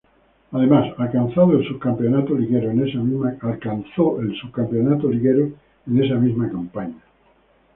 Además, alcanzó el subcampeonato liguero en esa misma campaña.